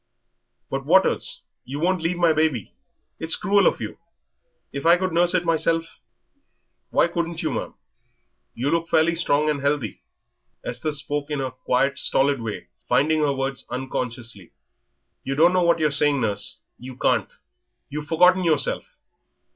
"But, Waters, you won't leave my baby. It's cruel of you. If I could nurse it myself " "Why couldn't you, ma'am? You look fairly strong and healthy." Esther spoke in her quiet, stolid way, finding her words unconsciously. "You don't know what you're saying, nurse; you can't.... You've forgotten yourself.